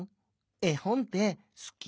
えほんってすき？